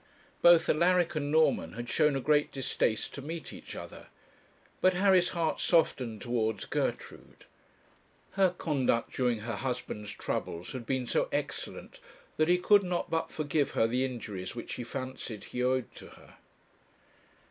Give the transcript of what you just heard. Both Alaric and Norman had shown a great distaste to meet each other. But Harry's heart softened towards Gertrude. Her conduct during her husband's troubles had been so excellent, that he could not but forgive her the injuries which he fancied he owed to her.